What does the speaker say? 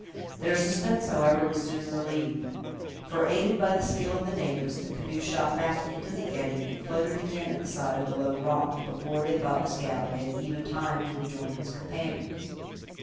Their suspense, however, was soon relieved; for, aided by the skill of the natives, the canoe shot back into the eddy, and floated again at the side of the low rock, before they thought the scout had even time to rejoin his companions.